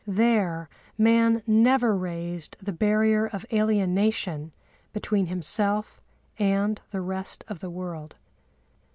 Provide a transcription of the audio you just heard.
There man never raised the barrier of alienation between himself and the rest of the world.